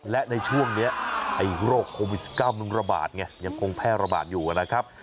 และในช่วงนี้ไอ้โรคโควิด๑๙มันระบาดไงยังคงแพร่ระบาดอยู่นะครับ